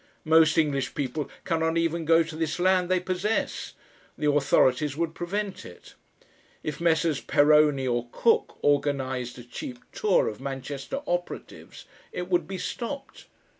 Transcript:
Most English people cannot even go to this land they possess; the authorities would prevent it. If Messrs. Perowne or Cook organised a cheap tour of Manchester operatives, it would be stopped.